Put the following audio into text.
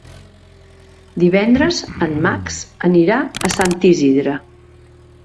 Divendres en Max anirà a Sant Isidre.